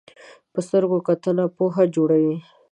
په سترګو کتنه پوهه جوړوي